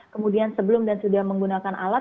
kemudian sebelum dan sudah menggunakan alat